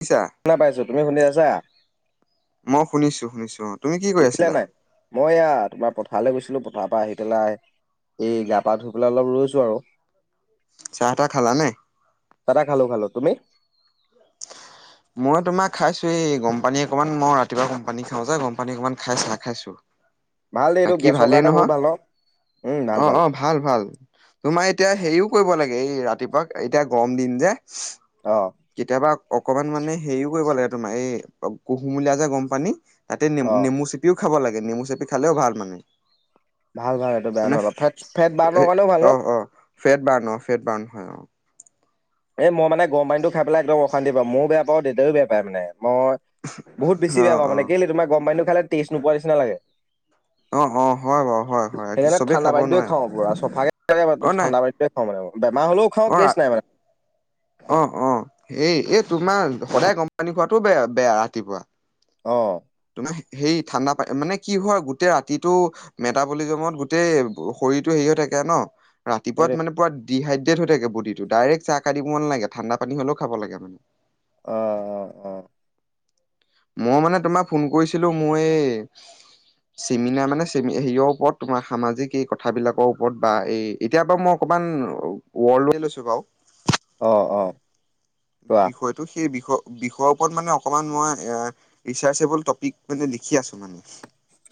শুনিছা? শনা পাইছোঁ তুমি শুনি আছা? মই শুনিছোঁ শুনিছোঁ অ, তুমি কি কৰি উঠিলা আছিলা? নাই মই এয়া তোমাৰ পথাৰলৈ গৈছিলো পথাৰৰ পৰা আহি পেলাই এই গা পা ধুই পেলাই অলপ ৰৈছোঁ আৰু। চাহ তাহ খালা নাই? তাটা খালো খালো তুমি? মই তোমাক খাইছোঁ এই গম পানী অকনমান মই ৰাতিপুৱা গম পানী খাও যে গম পানী অকনমান খাই চাহ খাইছোঁ। ভাল দেই এইটো গেছৰ কাৰণে বহুত ভাল হওম অ ভাল ভাল। অ ভাল ভাল তোমাৰ এতিয়া হেৰিও কৰিব লাগে এই ৰাতিপুৱা এতিয়া গৰম দিন যে, অ, কেতিয়াবা অকনমান মানে হেৰিও কৰিব লাগে তোমাৰ এই কুহুমলীয়া যে গম পানী, তাতে অ নেমু চেপিও খাব লাগে নেমু চেপি খালেও ভাল মানে। ভাল ভাল এইটো বেয়া মানে নহ'ল ফেট ফেট বাৰ্ৰ কাৰণেও ভাল অ ন? অ ফেট বাৰ্ অ ফেট বাৰ্ন হয় অ, এই মই মানে গৰম পানীটো খাই পেলাই একদম অশান্তি পাওঁ ময় বেয়া পাওঁ দেউাইও বেয়া পায় মানে মই বহুত বেছি বেয়া পাও মানে কেলে তোমাৰ গম পাইো খালে টেষ্ট নোপোৱা নিচি লাগে। অ, অ, হয় বাৰু হয়। হয় সেইকাৰণে চবেই ঠাণ্ডা খাব পানীটোৱ নোৱাৰে খাওঁ পুৰা অ চফাকে নাই ঠাণ্ডা পানীোৱ খাওঁ মানে বেমাৰ হলেও অ খাওঁ ৰা কেে নাই মানে। অ, অ, এই এই তোমাৰ সদায় গম পানী খোৱাটোৱো বেয়া বেয়া ৰাতিপুৱা। অ, তোমাৰ সেই ঠাণ্ডা প মানে কি হয় গোটেই ৰাতিটো মেটাবলিজমত গোটেই শৰীৰটো হেৰি হৈ থাকে ন, সেইটোৱে ৰাতিপুৱা মানে পৰা ডিহাইড্ৰেট হৈ থাকে বড টো ডাইৰে্ট চাহ কাটিব নালে ঠাণ্ডা পানী হলেওাব লাগে মানে। অ, অ মই মানে তোমাৰ ফোন কৰিছিলোঁ মই এই চিমিনা মানে চ হেৰিয়ৰ ওপৰত তোমাৰ সামাজিক এই কথাবিলাকৰ ওপৰত বা এই এতিয়া বাৰু মই অকণমান ৱৰ্ল্ডৱাইড লৈছোঁ বাৰু। অ, অ, কোৱা। হয়তো সেই বিষ-বিষয়ৰ ওপৰত মানে অকণমান মই এ, বিচাৰ চেবুল টপিক মানে লিখি আছোঁ মানে।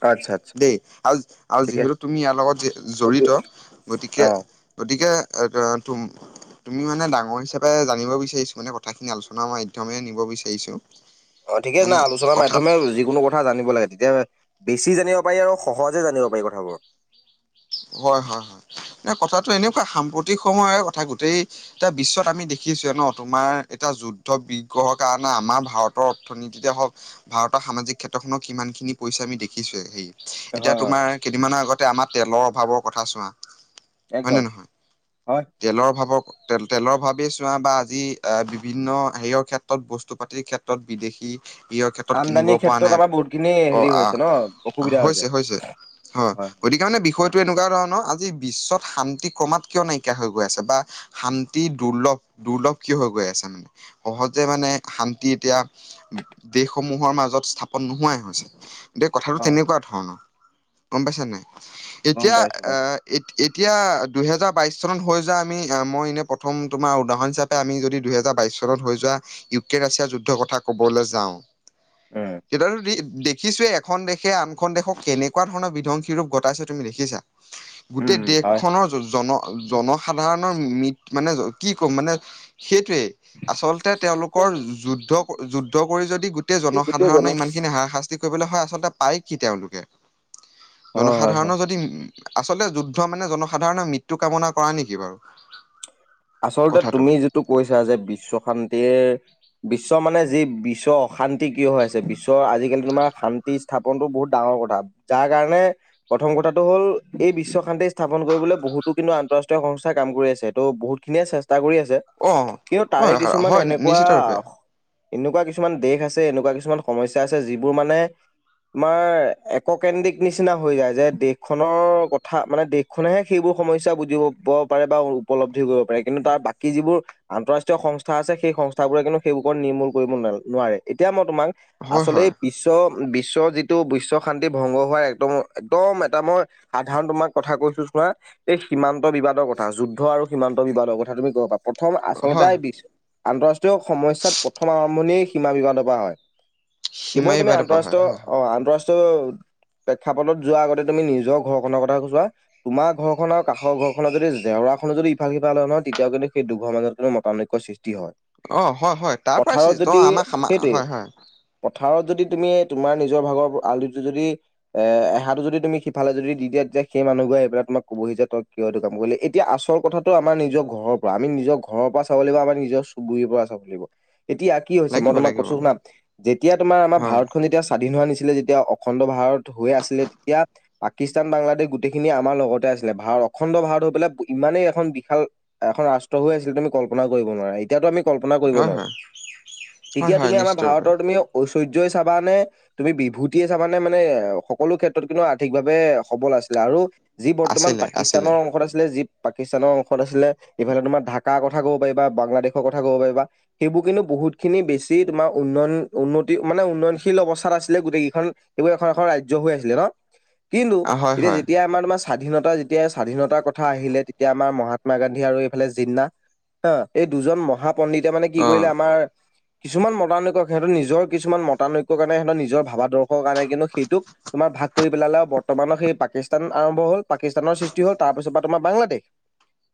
আচ্ছা আচ্ছা দেই, আৰু-আৰু ঠিকে আছে যিহেতু তুমি ইয়াৰ লগত জ-জড়িত, গতিকে অ'। গতিকে, [inaudible] তুম-তুমি মানে ডাঙৰ হিচাপে জানিব বিচাৰিছোঁ, মানে কথাখিনি আলোচনা মাধ্যমে নিব বিচাৰিছোঁ। অ, থিকেই না আলোচনাৰ মাধ্যমে যিকোনো কথা জানিব লাগে তেতিয়া বেছি জানিব পাৰি আৰু সহজে জানিব পাৰি কথাবোৰ। হয়, হয়, হয়, মানে কথাটো এনেকুৱা সাম্প্ৰতিক সময়ৰে কথা গোটেই এতিয়া বিশ্বত আমি দেখিছোঁৱে ন তোমাৰ এতিয়া যুদ্ধ বিগ্ৰহৰ কাৰণে আমাৰ ভাৰতৰ অৰ্থনীতিতে হওক ভাৰতৰ সামাজিক ক্ষেত্ৰখননৰ কিমান খিনি পইচা আমি দেখিছোৱে হেৰি এতিয়া হয় হয় তোমাৰ কেইদিনমানৰ আগতে আমাৰ তেলৰ অভাৱৰ কথা চোৱা, হয় একদম নে নহয়? হয়। তেলৰ অভাৱৰ তেল তেলৰ ভাৱে চোৱা বা আজি এ বিভিন্ন হেৰিয়ৰ ক্ষেত্ৰত বস্তু পাতিৰ ক্ষেত্ৰত বিদেশী প্ৰয়ৰ ক্ষেত্ৰত কিনিব আমদানিৰ পৰা ক্ষেত্ৰত নাই আমাৰ বহুতখিনি অ হেৰি হৈছে ন অসুবিধা আহ হৈছে হৈছে। হয়, গতিকে মানে বিষয় এইটো এনেকুৱা ধৰণৰ আজি বিশ্বত শান্তি ক্ৰমাৎ কিয় নাইকিয়া হৈ গৈ আছে বা শান্তি দুৰ্লভ দুৰ্লভ কিয় হৈ গৈ আছে মানে সহজে মানে শান্তি এতিয়া দেশসমূহৰ মাজত স্থাপন নোহোৱাই হৈছে। দেই কথাটো হয় তেনেকুৱা ধৰণৰ গম পাইছা নাই? গম এতিয়া পাইছো অ'। এ এ-এতিয়া দুহেজাৰ বাইশ চনত হৈ যোৱা আমি মই এনে প্ৰথম তোমাৰ উদাহৰণ হিচা আমি যদি দুইহেজাৰ বাইশ চনত হৈ যোৱা ইউক্ৰেইন ৰাছিয়াৰ যুদ্ধৰ কথা ক'বলৈ যাওঁ। উম, তেতিয়াতো দেখিছোৱে এখন দেশে আনখন দেশক কেনেকুৱা ধৰণৰ বিধ্বংসী ৰূপ ঘটাইছে। তুমি দেখিছা উম গোটেই হয়। দেশখনৰ জন জনসাধাৰণৰ ম মানে কি ক'ম মানে সেইটোৱেই। আচলতে তেওঁলোকৰ যুদ্ধ যুদ্ধ কৰি যদি গোটেই গোটেই জন জনসাধাৰণৰ হয় ইমান খিনি হাৰশাস্ত কৰিব হয় আচলতে পায় কি তেওঁলোকে? জন হয় হয়। যদি উ আচলতে যুদ্ধ মানে জনসাধাৰণৰ মৃত্যু কামনা কৰা নেকি বাৰু? আচলতে কথাটো তুমি যিটো কৈছা যে বিশ্ব শান্তিৰ বিশ্ব মানে যি বিশ্বৰ অশান্তি কিয় হৈ আছে বিশ্বৰ আজিকালি তোমাৰ শান্তি স্থাপনতটো বহুত ডাঙৰ কথা যাৰ কাৰণে প্ৰথম কথাটো হ'ল এই বিশ্ব শান্তি স্থাপন কৰিবলৈ বহুতো কিন্তু আন্তঃৰাষ্ট্ৰীয় সংস্থাই কাম কৰি আছে ত' বহুত খিনিয়ে চেষ্টা কৰি আছে অ কিন্তু অ তাৰে কিছুমান হয় এনেকুৱা নিশ্চিত ৰূপে এনেকুৱা কিছুমান দেশ আছে এনেকুৱা কিছুমান সমস্যা আছে যিবোৰ মানে, তোমাৰ এককেন্দ্ৰিক নিচিনা হৈ যায় যে দেশখনৰ কথা মানে দেশ খুনেহে সেইবোৰ সমস্যা বুজিব পাৰে বা উপলব্ধি কৰিব পাৰে কিন্তু তাৰ বাকী যিবোৰ আন্তঃৰাষ্ট্ৰীয় সংস্থা আছে সেই সংস্থাবোৰে কিন্তু সেইবোৰৰ নিৰ্মূল কৰিব ন-নোৱাৰে এতিয়া মই তোমাক হয় আচলতে হয় বিশ্ব বিশ্ব যিটো বিশ্ব শান্তি ভংগ হোৱাৰ একদম একদম এটা মই সাধাৰণ তোমাক কথা কৈছো চুোৱাা এই সীমান্ত বিবাদৰ কথা যুদ্ধ আৰু সীমান্ত বিবাদৰ কথা তুমি ক'ব পা প্ৰথম আচলতে হয় আন্তঃৰাষ্ট্ৰীয় সমস্যাত প্ৰথম আৰম্ভণিয় সীমা বিবাদৰ পৰা হয়। কেৱল সিমাৰী তুমি বাইদেউৰ পৰা হয় আন্তঃৰাষ্ট্ৰীয় হয় অ, আন্তঃৰাষ্ট্ৰীয় পেঠাপটত যোৱাৰ আগতে তুমি নিজৰ ঘৰখনৰ কথা ক চোৱা তোমাৰ ঘৰ খনৰ আৰু কাষৰ ঘৰ খনৰ যদি জেওৰা খনো যদি ভাল কিবা নয় তেয়াও কিন্তু সেই দুৰ মাজত কিন্ত মতানৈক্য সৃষ্টি হয়। অ হয় হয় তাৰ পথাৰত পৰা যদি আমাৰ সেইটোৱে হয় হয়। পথাৰত যদি তুমি তোমাৰ নিজৰ ভাগৰ আলিটো যদি এ-এহাটো যদি তুমি সিফে যদি দি দা তেতিয়া সেই মানুহোৰে এইবাক তোমাক কবহি যে তই কিয় হয় এইটো কাম কৰিলে। এতিয়া আচল কথাটো আমাৰ নিজৰ ঘৰৰ পৰা আমি নিজৰ ঘৰ পৰা চাব লাগিব আমাৰ নিজৰ চুবুুৰীৰ পৰা চাব লাগিব। এতিয়া কি হৈছে মই লাগিব তোমাক লাগিব কৈছো শুনাম যেতিয়া তোমাৰ আমাৰ হয় ভাৰতখন যেতিয়া স্বাধীন হোৱা নিছিলে যেতিয়া অখণ্ড ভাৰত হৈ আছিলে তেতিয়া পাকিস্তান বাংলাদেশ গোটেইখিনিয়ে আমাৰ লগতে আছিলে ভাৰত অখণ্ড ভাৰত হৈ পেলাই ইমানেই এখন াল এখন ৰাষ্ট্ৰ হৈ আছিলে তুমি কল্পনা কৰিব নোৱাৰা তেতিয়াতো আমি কল্পনা কৰিব হয় নোৱাৰো হয় হয় তেতিয়া হয় তুমি আমাৰ নিশ্চিত ৰূপে ভাৰতৰ তুমি ঐশ্বৰ্যই চাবানে তুমি বিভূতিয়ে চাবানে মানে সকলো ক্ষেত্ৰত কিন্তু আৰ্থিকভাৱে সবল আছিলে আৰু যি বৰ্তমান আছিলে আছিলে পাকিস্তানৰ অংশত আছিলে যি পাকিস্তানৰ অংশ ত আছিলে ইফালে তোমাৰ ঢাকাৰ কথা ক'ব পাৰিবা বাংলাদেশৰ কথা ক'ব পাৰিবা সেইবোৰ কিন্তু বহুতখিনি বেছি তোমাৰ উন্নয়ন উন্নতি মানে উন্নয়নশীল অৱস্থাত আছিলে গোটেই কেইখন এইবোৰ এখন এখন ৰাজ্য হৈ আছিলে ন কিন্তু অ হয় এতিয়া হয় যেতিয়া আমাৰ তোমাৰ স্বাধীনতা যেতিয়া স্বাধীনতাৰ কথা আহিলে তেতিয়া আমাৰ মহাত আাত্মা গান্ধী আৰু এইফালে জিন্না হা এই দুজন মহাপণ্ডিতে মানে কি অ কৰিলে আমাৰ কিছুমান মডাৰ্ন দেখুৱাওক সিহঁৰ নিজৰ কিছুমান মতানৈক্য কাৰণে সিহঁতৰ নিজৰ ভাদৰ্শ কাৰণে কিন্তু সেইটোক তোমাৰ ভাগ কৰি পেলালেও বৰ্তমানৰ সেই পাকিস্তান আৰম্ভ হ'ল পাকিস্তানৰ সৃষ্টি হ'ল তাৰ পিছত পা তোমাৰ বাংলাদেশ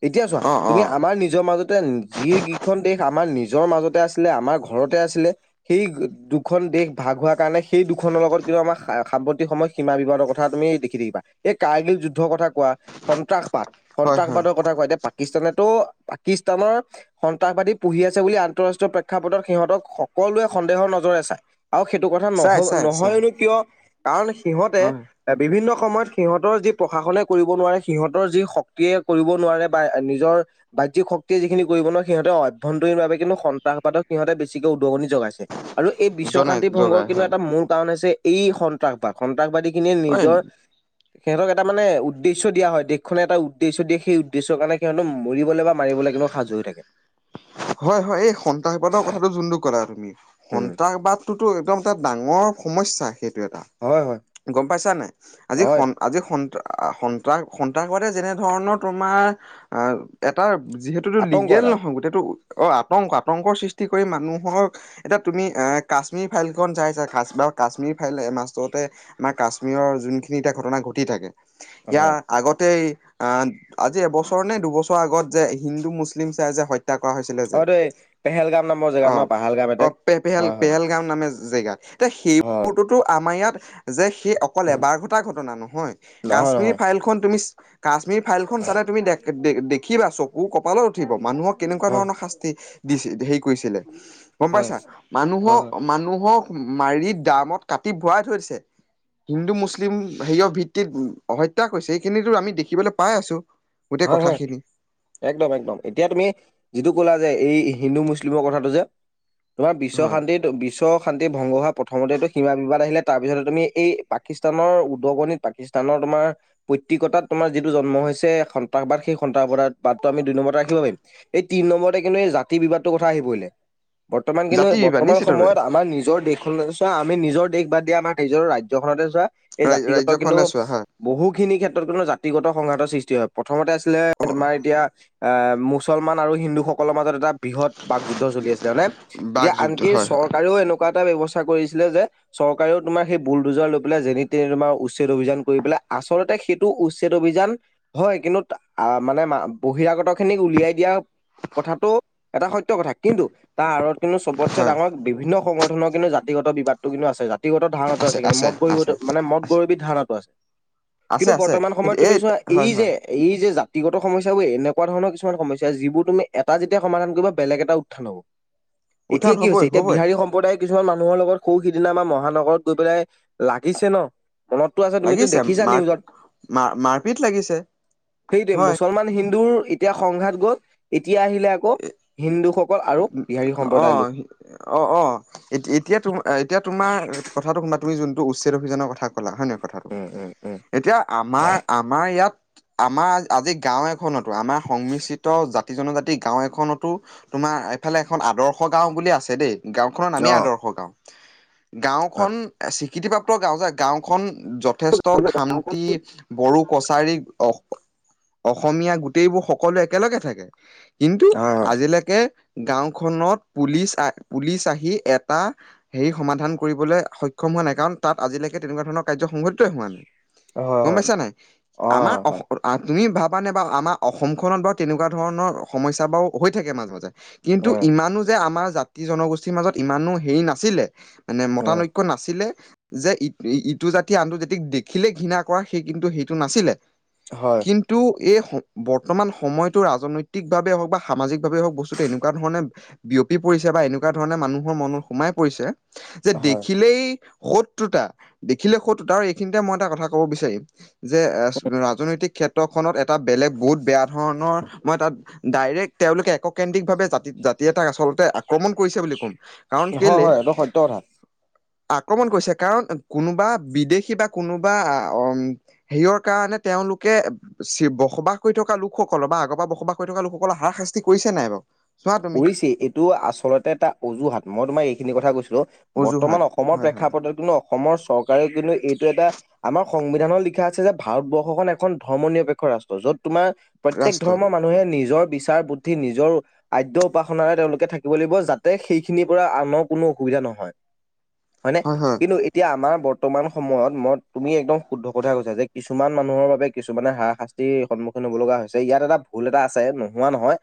এতিয়া চোৱা অ অ তুমি আমাৰ নিজৰ মাজতে যিগিখন দেশ আমাৰ নিজৰ মাজতে আছিলে আমাৰ ঘৰতে আছিলে সেই দুখন দেশ ভাগ হোৱাৰ কাৰণে সেই দুখনৰ লগত কিন্তু আমাৰ সাম্প্ৰতিক সময় সীমা বিবাদৰ কথা তুমি দেখি থাকিবা এই কাৰ্গিল যুদ্ধৰ কথা কোৱা সন্ত্ৰাসবাদ হয় হয় সন্ত্ৰাসবাদক কথা কয় এতিয়া পাকিস্তানেতো পাকিস্তানৰ সন্তাসবাদী পুহি আছে বুলি আন্তঃৰাষ্ট্ৰীয় প্ৰেক্ষাপটত সিহঁতক সকলোৱে সন্দেহৰ নজৰে চায়। আৰু সেইটো কথা নহ চাই চাই চাই নহয়নো কিয় কাৰণ সিহঁতে হয় বিভিন্ন সময়ত সিহঁতৰ যি প্ৰশাসনে কৰিব নোৱাৰে সিহঁতৰ যি শক্তিয়ে কৰিব নোৱাৰে বা নিজৰ বাহ্যিক শক্তিয়ে যিখিনি কৰিব নোৱাৰে সিহঁৰ অভ্যন্তৰীণ ভাবে কিন্তু সন্তাসবাদক সিহঁতে বেছিকে উদগনি যগাইছে। আৰু এই বিশ্ব জনাই শান্তি ভংগৰ জগাই কিন্তু হয় এটা মূল কাৰণ হৈছে এই স সন্ত্ৰাসবাদ সন্ত্ৰাসবাদীখিনিয়ে হয় নিজৰ সিহঁতক এটা মানে উদ্দেশ্য দিয়া হয় দেখনে এটা উদ্দেশ্য দিয়ে সেই উদ্দেশ্যৰ কাৰণে সিহঁতো মৰিবলে বা মাৰিবলৈ কিন্তু সাজু হৈ থাকে। হয়, হয়, এই সন্ত্ৰাসবাদৰ কথাটো যোনটো ক'লা তুমি উম, সন্ত্ৰাসবাদ টাতো একদম এটা ডাঙৰ সমস্যা সেইটো এটা হয় হয় গম পাইছা নাই? আজি হয় আজি সন্ত্ৰাস সন্তাস সন্ত্ৰাসবাদে যেনে ধৰণৰ তোমাৰ আহ এটা যিহেতুতো আতংক লিগেল এটা নহয় গোটেইটো অ, আতংক আতংকৰ সৃষ্টি কৰি মানুহৰ এতিয়া তুমি এ কাশ্মীৰ ফাইল চাইছা বা কাশ্মীৰ ফাইল মাজতে আমাৰ কাশ্মীৰৰ যোনখিনি এতিয়া ঘটনা ঘটি থাকে ইয়াৰ হয় আগতে আ, আজি এবছৰ নে দুবছৰ আগত যে হিন্দু মুছলিম চাই যে হ হৈছিলে যে হয় দেই পেহেলগাম নামৰ অ, জেগাত ন পাহালগাম অ, এটেক পে পেহেল হয় হয় পেহেলগাম নামে জেগাত এতিয়া হয় সেইবোৰতোতো আমাৰ ইয়াত যে সেই কল এবাৰ ঘটা ঘটনা নহয় নহয় কাশ্মীৰ নহয় ফাইল খন তুমি কাশ্মীৰ ফাইলখন চালে তুমি দে-দে দেখিবা চকু কপালত উঠিব মানুহক কেনেকুৱা হয়। ধৰণৰ শাস্তি দিছিল হেৰি কৰিছিলে গম হয়, পাইছা হয়, মানুহক মানুহক মাৰি দামত কাটি ভৰাই থৈ দিছে। হিন্দু-মুছলিম হেৰিয়ৰ ভিত্তিত হত্যা কৰিছে এইখিনিতো আমি দেখিবলৈ পাই আছো। গোটেই হয়, হয়। কথাখিনি একদম একদম এতিয়া তুমি যিটো ক'লা যে এই হিন্দু মুছলিমৰ কথাটো যে, তোমাৰ বিশ্ব হয় শান্তিত বিশ্ব শান্তি ভংগ হোৱা প্ৰথমতেটো সীমা বিবাদ আহিলে তাৰপিছতে তুমি এই পাকিস্তানৰ উদগণিত পাকিস্তা স্থানৰ তোমাৰ পৈতিকতাত তোমাৰ যিটো জন্ম হৈছে স সবাদ সেই সন্তাসবাদত বাটটো আম দুই নম্বৰত ৰাখিব পাৰিম। এই তিনি নম্বৰতে কিন্তু এই জাতি-বিবাদটোৰ কথা আহি পৰিলে। বৰ্তমান কিন্তু জাতি বিবাদ বৰ্তমান নিশ্চিতভাৱে সময়ত আমাৰ নিজৰ দেশখন চোৱা, আমি নিজৰ দেশ বাদ দিয়া আমাৰ নিজৰ ৰাজ্যখনতে চোৱা এই জাতিগত কিন্তু ৰাজ্যখনলৈ চোৱা হয় বহুখিনি ক্ষেত্ৰত কিন্তু জাতিগত সংঘাতৰ সৃষ্টি হয়। প্ৰথমতে আছিলে অ তোমাৰ এতিয়া আ, মুছলমান আৰু হিন্দুসকলৰ মাজত এটা বৃহৎ বাক যুদ্ধ চলি আছে যেনে, এতিয়া বাকযুক্ত আনকি হয় হয় চৰকাৰেও এনেকুৱা এটা ব্যৱস্থা কৰিছিলে যে চৰকাৰেও তোমাৰ সেই বুল দুোজাৰ লৈ চৰকাৰেও চৰকাৰেও তোমাৰ সেই বুল দুজাৰ লৈ পেলাই যেনি-তেনি তোমাৰ উচ্ছেদ অভিযান কৰি পেলাই আচলতে সেইটো উচ্ছেদ অভিযান হয়, কিন্তু তা আ মানে মা বহিৰাগত খিনিক উলিয়াই দিয়া কথাটো এটা সত্য কথা কিন্তু তাৰ আঁৰত কিন্তু চবতছে হয় ডাঙৰ বিভিন্ন সংগঠনৰ কিন্তু জাতিগত বিবাদটো কিন্তু আছে জাতিগত ধাৰণা আছে কিন্তু মদ গৰি ভূত মানে মদ আছে গৰবী ধাৰণাটো আছে। আছে কিন্তু আছে বৰ্তমান সময়ত তুমি এই চোৱা হয় এই হয় যে এই যে জাতিগত সমস্যাবোৰ এনেকুৱা ধৰণৰ কিছুমান সমস্যা যিবোৰ তুমি এটা যেতিয়া সমাধান কৰিবা বেলেগ এটা উত্থান হ'ব। এতিয়া উত্থান কি হৈছে হ'বই এতিয়া হ'বই বিহাৰী সম্প্ৰদায় কিছুমান মানুহৰ লগত সৌ সিদিনা আমাৰ মহানগৰত গৈ পেলাই লাগিছে ন'। মনততো আছে তুমিতো লাগিছে, দেখিছা মাৰ নিউজত মাৰ মাৰপিত লাগিছে। সেইটোৱে হয় মুছলমান হিন্দুৰ এতিয়া সংঘাত গ'ল। এতিয়া আহিলে আকৌ হিন্দুসক [unintelligible] আৰু বিহাৰী অ সম্প্ৰদায় লোক। অ', অ', এতি- এতিয়া তোমা আ, এতিয়া তোমাৰ কথাটো শুমা তুমি যোনটো উচ্ছেদ অভিযানৰ কথা কলা হয় নে কথাটো। উম উম উম এতিয়া আমাৰ আমাৰ ইয়াত আমাৰ আজ আজি গাঁও এখনতো আমাৰ সংমিশ্ৰিত জাতি জনজাতি গাঁও এখনতো তোমাৰ এইফালে এখন আদৰ্শ গাঁও বুলি আছে দেই। গাঁওখনৰ অ নামেই আদৰ্শ গাঁও। হয় গাঁওখন এ, স্বীকৃতিপ্ৰাপ্ত গাঁও জাক গাঁওখন যথেষ্ট খামটি, বড়ো, কছাৰী, অস অসমীয়া গোটেইবোৰ সকলো একেলগে থাকে। কিন্তু হয় আজিলেকে গাঁওখনত পুলিচ আ পুলিচ আহি এটা হেৰি সমাধান কৰিবলে সক্ষম হোৱা নাই কাৰণ তাত আজিলেকে তেনেকুৱা ধৰণৰ কাৰ্য সংঘটিতয়ে হোৱা নাই। হয় হয় গম হয় পাইছা নাই। অ আমাৰ অস হয় আ, তুমি ভাবানে বাৰু আমাৰ অসমখনত বাৰু তেনেকুৱা ধৰণৰ সমস্যা বাৰু হৈ থাকে মাজ মাজে। কিন্তু উম ইমানো যে আমাৰ জাতি জনগোষ্ঠীৰ মাজত ইমানো হেৰি নাছিলে মানে উম মতানৈক ক্য নাছিলে যে ই- ইটো জাতি আনটো জাতিক দেখিলে ঘৃণা কৰা সেই কিন্তু সেইটো নাছিলে। হয়। কিন্তু এই স বৰ্তমান সময়টো ৰাজনৈতিকভাৱে হওঁক বা সামাজিকভাৱে হওঁক বস্তুটো এনেক কুৱা ধৰণে বিয়পি পৰিছে বা এনেকুৱা ধৰণে মানুহৰ মনত সোমাই পৰিছে। যে হয় দেখিলেই শত্ৰুতা। দেখিলে শত্ৰুতা আৰু এইখিনিতে মই এটা কথা ক'ব বিচাৰিম। যে এ, ৰাজনৈতিক ক্ষেত ত্ৰ এটা বেলেগ বহুত বেয়া ধৰণৰ মই তাত ডাইৰেক্ট তেওঁলোকে এককেন্দ্ৰিকভাৱে জাতি জাতি এটাক আচলতে আক্ৰমণ কৰিছে বুলি ক'ম, কাৰণ হয় কেলে হয় এইটো সত্য কথা আক্ৰমণ কৰিছে, কাৰণ কোনোবা বিদেশী বা কোনোবা আ, অ'। হেৰিয়ৰ কাৰণে তেওঁলোকে ছে বসবাস কৰি থকা লোকসকলৰ বা আগৰ পা বসবাস কৰি থকা লোকসকলক হাৰাশাস্তি কৰিছে নাই বাৰু? চোৱা তুমি কৰিছে। এইটো আচলতে এটা অজুহাত মই তোমাৰ এইখিনি কথা কৈছোঁ বৰ্তমান অজুহাত অসমৰ হয় হয় প্ৰেক্ষাপটত ন' অসমৰ চৰকাৰেও কিন্তু এইটো এটা আমাৰ সংবিধানত লিখা আছে যে ভাৰতবৰ্ষখন এখন ধৰ্ম নিৰপেক্ষ ৰাষ্ট্ৰ য'ত তোমাৰ প্ৰত্যেক ৰাষ্ট্ৰ ধৰ্মৰ মানুহে নিজৰ বিচাৰ বুদ্ধি, নিজৰ আদ্য উপাসনাৰে তেওঁলোকে থাকিব লাগিব যাতে সেইখিনিৰ পৰা আনৰ কোনো অসুবিধা নহয়। হয়নে হয় হয় কিন্তু এত এতিয়া আমাৰ বৰ্তমান সময়ত মই তুমি একদম শুদ্ধ কথা কৈছা যে কিছুমান মানুহৰ বাবে কিছুমানে হাৰাশাচ তি সন্মুখীন হ'ব লগা হৈছে। ইয়াত এটা ভুল এটা আছে নোহোৱা নহয়।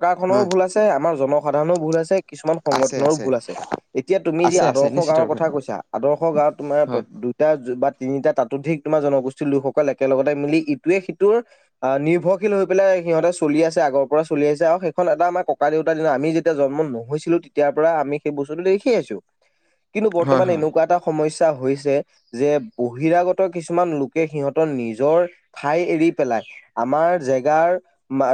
চৰকাৰখনৰোঁ হয় ভুল আছে, আমাৰ জনসাধাৰণৰোঁ ভুল আছে, কিছুমান সংগঠনৰোঁ ভুল আছে। এতিয়া তুমি যি আছে আছে আদৰ্শ নিশ্চিত গাঁওৰ ৰূপে কথা কৈছা, আদৰ্শ গাঁওত তোমাৰ হয় প্ৰদু এতিয়া বা তিনিটা তাতোধিক তোমাৰ জনগোষ্ঠীৰ লোকসকল একেলগতে মিলি ইটোৱে সিটোৰ অ' নিৰ্ভৰশীল হৈ পেলাই সিহঁতে চলি আছে আগৰ পৰা চলি আছে আৰু এখন এটা আমাৰ ককা দেউতাৰ দিনা আমি যেতিয়া জন্ম নহৈছিলো তেতিয় পৰা আমি সেই বস্তুতটো দেখি আছো। কিন্তু হয় বৰ্তমান হয় এনেকুৱা এটা সমস্যয়া হৈছে যে বহিৰাগত কিছুমান লোকে সিহঁতৰ নিজৰ ঠাই এৰি পেলাই আমাৰ জেগাৰ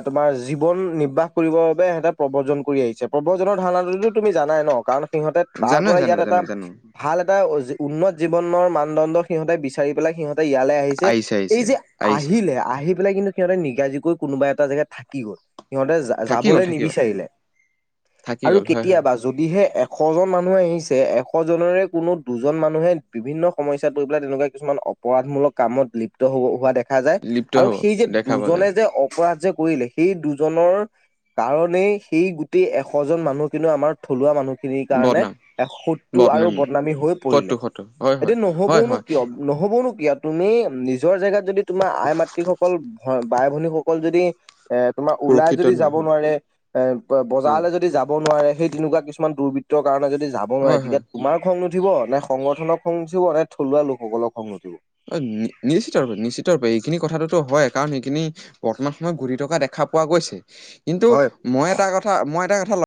তোমাৰ জীৱন নিৰ্বাহ কৰিব বাবে এহঁতে প্ৰব্ৰজন কৰি আহিছে প্ৰব্ৰজনৰ ধাৰণাটোতো তুমি জানাই ন কাৰণ সিহঁতে তাৰ জানো পৰা জানো ইয়াত এটা জানো জানো ভাল এটা উন্নত জীৱনৰ মানদণ্ড সিহঁতে বিচাৰি পেলাই সিহঁতে ইয়ালৈ আহি যে আহিছে এই আহিছে যে আহিছে আহিলে আহি পেলাই কিন্তু সিহঁতে নিগাজীিকৈ কোনোবা এটা জেগাত থাকি গ'ল সিহঁতে থাকি গ'ল যাবলৈ থাকি গ'ল নিবিচাৰিলে থাকি আৰু গ'ল হয় কেতিয়াবা যদিহে এশজন মানুহে আহিছে এশজনৰে কোনো দুজন মানুহে বিভিন্ন সমস্যাত লৈ পেলাই তেনেকুৱা কিছুমান অপৰাধমূলক কামত লিপ্ত হ'ব হোৱা দেখা দেখা যায় হয় লিপ্ত আৰু হ'ব সেই যে দেখা পোৱা দুজনে যায় যে অপৰাধ যে কৰিলে সেই দুজনৰ কাৰণেই সেই গোটেই এশ জন মানুহ কিন্তু আমাৰ থলুৱা মানুহখিনিৰ কাৰণে বদনাম এ শত্ৰু আৰু বদনামী হৈ পৰিলে শত্ৰু শত্ৰু হয় হয় এতিয়া হয় নহবওনো হয় কিয় নহবনো কিয় তুমি নিজৰ জেগাত যদি তোমাৰ আই মাতৃ সকল ভ বাই ভনীসকল যদি এ তোমাৰ ওলাই সুৰক্ষিত যদি নহয় যাব হয় নোৱাৰে এ হয় বজাৰলৈ যদি যাব নোৱাৰে সেই তেনেকুৱাত কিছুমান দুৰ্বৃত্তৰ কাৰণে যদি যাব হয় নোৱাৰে হয় তেতিয়া তোমাৰ খং নুঠিব নে সংগঠনক খং উুঠিব নাই থলুৱা লোকসকলক খং উুঠিব। অ' নি নিশ্চিত ৰূপে নিশ্চিত ৰূপে এইখিনি কথাটোতো হয় কাৰণ সেইখিনি বৰ্তমান সময়ত ঘূৰি থকা দেখা পোৱা গৈছে কিন্তু হয় মই এটা কথা মই এটা কথা